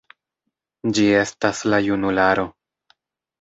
Ĝi estas la junularo.